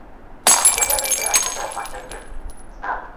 দেহ হইতে আত্মা তো মাত্র একটি ধাপ।